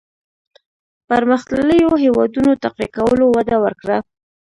پرمختلليو هېوادونو تقويه کولو وده ورکړه.